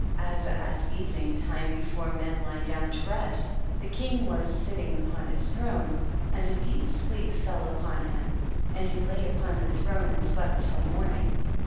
12. As at evening time, before men lie down to rest, the king was sitting upon his throne, and a deep sleep fell upon him, and he lay upon the throne and slept till morning.